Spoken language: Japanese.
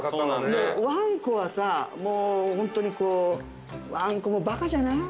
もうワンコはさもうホントにこうワンコもバカじゃない？